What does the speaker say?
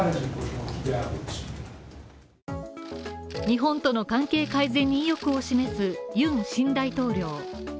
日本との関係改善に意欲を示すユン新大統領。